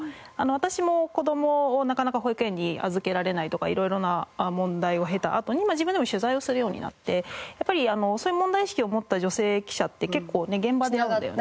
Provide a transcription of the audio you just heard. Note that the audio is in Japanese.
私も子どもをなかなか保育園に預けられないとか色々な問題を経たあとに自分でも取材をするようになってやっぱりそういう問題意識を持った女性記者って結構ね現場で会うんだよね。